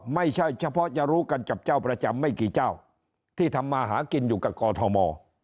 ไม่ใช่เฉพาะจะรู้กันกับเจ้าประจำไม่กี่เจ้าที่ทำมาหากินอยู่กับกอทม